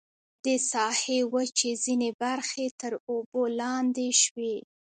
د ساحې وچې ځینې برخې تر اوبو لاندې شوې.